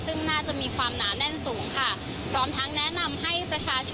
ซึ่งน่าจะมีความหนาแน่นสูงค่ะพร้อมทั้งแนะนำให้ประชาชน